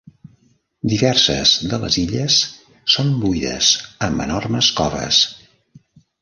Diverses de les illes són buides amb enormes coves.